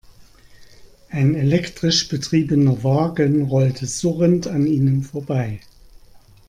Ein elektrisch betriebener Wagen rollte surrend an ihnen vorbei.